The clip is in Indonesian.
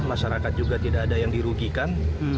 masyarakat juga tidak ada yang dirugikan